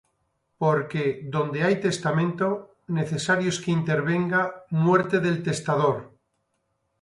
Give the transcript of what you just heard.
Porque donde hay testamento, necesario es que intervenga muerte del testador.